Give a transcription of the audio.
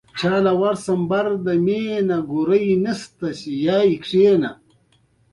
چاکلېټ د مطالعې پر وخت ښه ملګری وي.